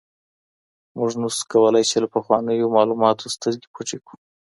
موږ نشو کولای چي له پخوانیو معلوماتو سترګې پټې کړو.